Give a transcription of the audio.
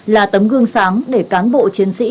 là tấm gương sáng để cán bộ chiến sĩ